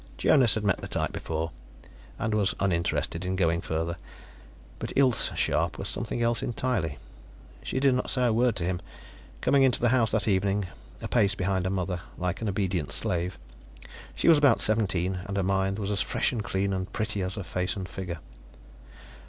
Jonas had met the type before, and was uninterested in going further. But Ilse Scharpe was something else entirely. She did not say a word to him, coming into the house that evening, a pace behind her mother, like an obedient slave. She was about seventeen, and her mind was as fresh and clean and pretty as her face and figure.